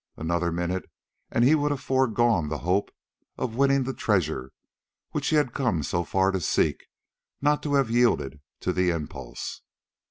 Another minute and he would have foregone the hope of winning the treasure which he had come so far to seek, not to have yielded to the impulse.